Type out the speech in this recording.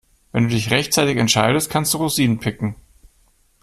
Wenn du dich rechtzeitig entscheidest, kannst du Rosinen picken.